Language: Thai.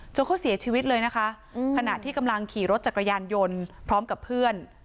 เขาเสียชีวิตเลยนะคะขณะที่กำลังขี่รถจักรยานยนต์พร้อมกับเพื่อน